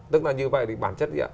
tức là như vậy thì bản chất